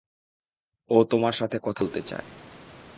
ও তোমার সাথে কথা বলতে চায়।